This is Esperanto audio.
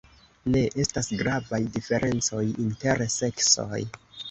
Ne estas gravaj diferencoj inter seksoj.